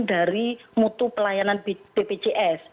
dari mutu pelayanan bpjs